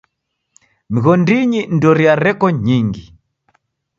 Mighondinyi ndoria reko nyingi.